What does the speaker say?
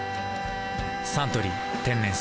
「サントリー天然水」